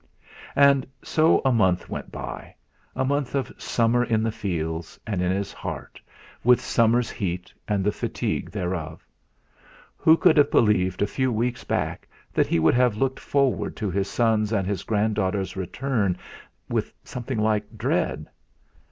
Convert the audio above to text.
And so a month went by a month of summer in the fields, and in his heart, with summer's heat and the fatigue thereof. Who could have believed a few weeks back that he would have looked forward to his son's and his grand daughter's return with something like dread!